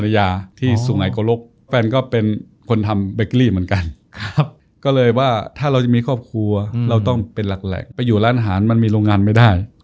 อยู่ร้านอาหารมันมีโรงงานไม่ได้